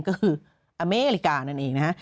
ก็คืออเมริกานั่นเองนะฮะ